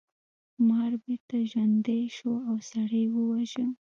مار بیرته ژوندی شو او سړی یې وواژه.